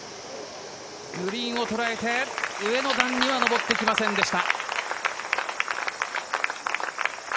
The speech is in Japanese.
グリーンをとらえて、上の段には上ってきませんでした。